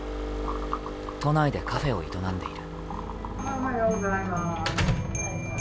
都内でカフェを営んでいる。